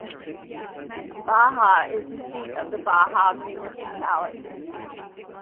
Baja is the seat of the Baja municipality.